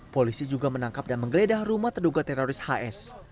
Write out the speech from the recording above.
polisi juga menangkap dan menggeledah rumah terduga teroris hs